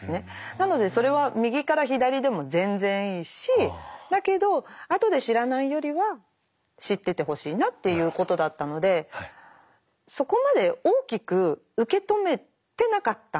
なのでそれは右から左でも全然いいしだけど後で知らないよりは知っててほしいなっていうことだったのでそこまで大きく受け止めてなかったんだと思います。